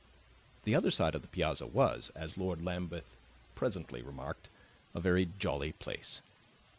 The other side of the piazza was, as Lord Lambeth presently remarked, a very jolly place.